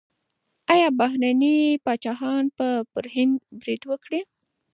ایا بهرني پاچاهان به پر هند برید وکړي؟